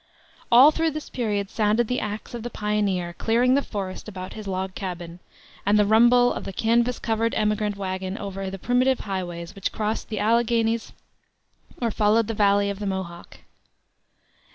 All through this period sounded the axe of the pioneer clearing the forest about his log cabin, and the rumble of the canvas covered emigrant wagon over the primitive highways which crossed the Alleghanies or followed the valley of the Mohawk.